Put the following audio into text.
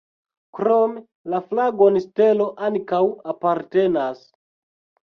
Krome la flagon stelo ankaŭ apartenas.